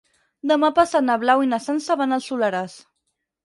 Demà passat na Blau i na Sança van al Soleràs.